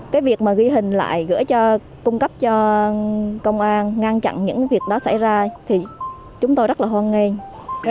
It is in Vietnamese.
cái việc mà ghi hình lại gửi cho cung cấp cho công an ngăn chặn những việc đó xảy ra thì chúng tôi rất là hoan nghênh